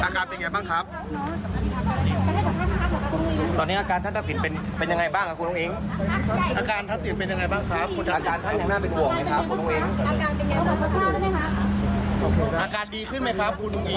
กำลังใจท่านดีไหมคะ